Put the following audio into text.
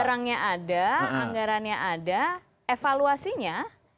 jadi barangnya ada anggarannya ada evaluasinya